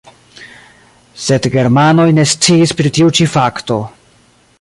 Sed germanoj ne sciis pri tiu ĉi fakto.